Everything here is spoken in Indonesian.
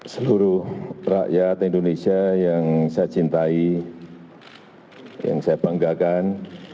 seluruh rakyat indonesia yang saya cintai yang saya banggakan